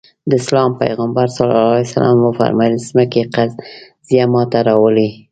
د اسلام پيغمبر ص وفرمايل ځمکې قضيه ماته راوړي.